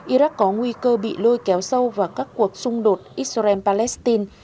iraq có nguy cơ bị lôi kéo sâu vào các cuộc xung đột israel palestine